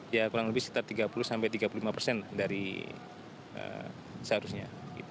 ya kurang lebih sekitar tiga puluh sampai tiga puluh lima persen dari seharusnya